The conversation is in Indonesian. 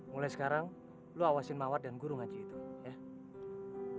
mulai sekarang lo awasin mawar dan guru ngaji itu ya